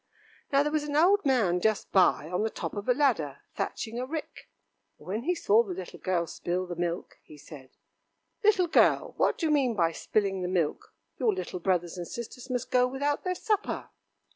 Now there was an old man just by on the top of a ladder thatching a rick, and when he saw the little girl spill the milk, he said: "Little girl, what do you mean by spilling the milk? Your little brothers and sisters must go without their supper."